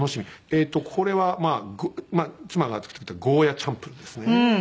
えっとこれは妻が作ってくれたゴーヤチャンプルーですね。